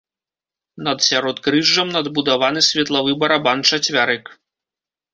Над сяродкрыжжам надбудаваны светлавы барабан-чацвярык.